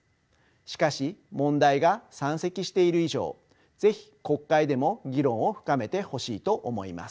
しかし問題が山積している以上是非国会でも議論を深めてほしいと思います。